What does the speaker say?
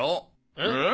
えっ？